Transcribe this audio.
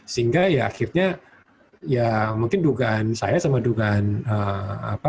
sehingga ya akhirnya ya mungkin dugaan saya sama dugaan apa